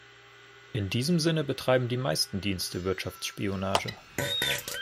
In diesem Sinne betreiben die meisten Dienste Wirtschaftsspionage.